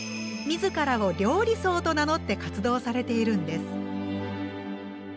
自らを「料理僧」と名乗って活動されているんです。